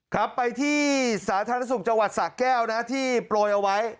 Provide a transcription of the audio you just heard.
ครับไปที่สาธารณสุขจังหวัดสะแก้วนะที่โปรยเอาไว้